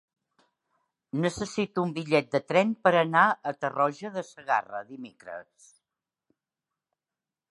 Necessito un bitllet de tren per anar a Tarroja de Segarra dimecres.